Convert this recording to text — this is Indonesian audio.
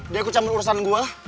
dia yang kecamur urusan gue